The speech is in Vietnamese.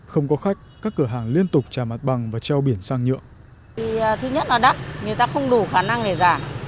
không có khách các cửa hàng liên tục trả mặt bằng và treo biển sang nhượng